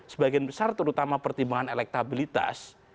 sebagian besar terutama pertimbangan elektabilitas